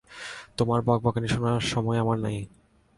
তোমার বকবকানি শোনার সময় আমার নেই।